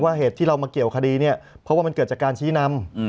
เหตุที่เรามาเกี่ยวคดีเนี่ยเพราะว่ามันเกิดจากการชี้นำ